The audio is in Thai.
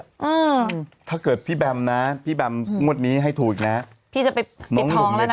อืมถ้าเกิดพี่แบมนะพี่แบมงวดนี้ให้ถูกนะพี่จะไปน้องหนุ่มแล้วนะ